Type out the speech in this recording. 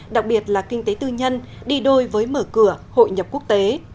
đặc biệt là kinh tế tư nhân đi đôi với mở cửa hội nhập quốc tế